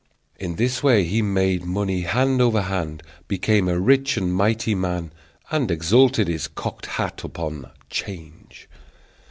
In this way he made money hand over hand, became a rich and mighty man, and exalted his cocked hat upon "Change."